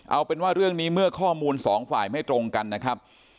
เอาเป็นว่าเรื่องนี้เมื่อข้อมูลสองฝ่ายไม่ตรงกันนะครับ